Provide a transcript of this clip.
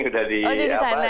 oh di sana